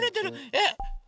えっ。